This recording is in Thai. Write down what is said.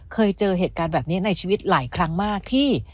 เคยเจอเหตุการณ์แบบนี้ในชีวิตหลายครั้งมากที่